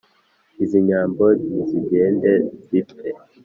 « izi nyambo nizigende zipfe